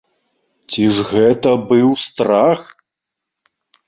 Ці ж гэта быў страх?!